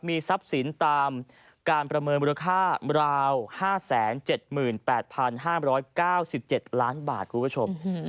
มีทรัพย์สินตามการประเมินมูลค่าราว๕๗๘๕๙๗ล้านบาทคุณผู้ชม